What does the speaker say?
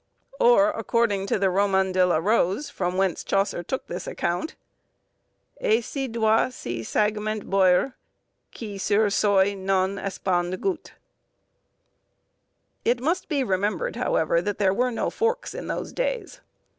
or, according to the Roman de la Rose, from whence Chaucer took this account,— "Et si doit si sagement boyre, Que sur soy n'en espande goutte." It must be remembered, however, that there were no forks in those days.